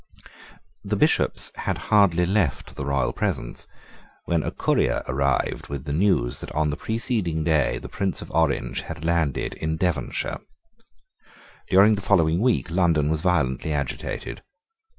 The Bishops had hardly left the royal presence, when a courier arrived with the news that on the preceding day the Prince of Orange had landed in Devonshire. During the following week London was violently agitated.